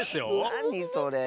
なにそれ？